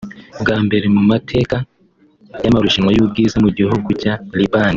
Bwa mbere mu mateka y’amarushanwa y’ubwiza mu gihugu cya Libani